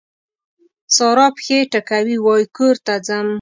سارا پښې ټکوي؛ وای کور ته ځم.